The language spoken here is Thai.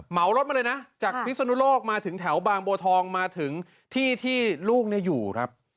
เหมารถมาเลยนะจากพิศนุโลกมาถึงแถวบางบัวทองมาถึงที่ที่ลูกอยู่ครับ